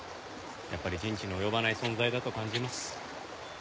やっぱり人智の及ばない存在だと感じます。